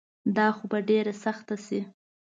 دا خو به ډیره سخته شي